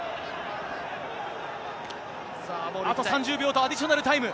さあ、あと３０秒とアディショナルタイム。